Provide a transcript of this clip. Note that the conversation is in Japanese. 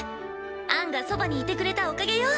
アンがそばにいてくれたおかげよ。